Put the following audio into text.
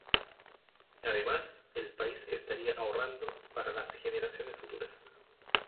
Además, el país estaría ahorrando para las generaciones futuras.